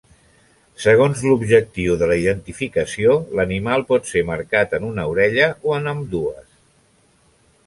Segons l'objectiu de la identificació, l'animal pot ser marcat en una orella o en ambdues.